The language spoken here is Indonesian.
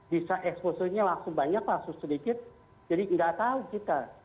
bisa exposure nya langsung banyak langsung sedikit jadi nggak tahu kita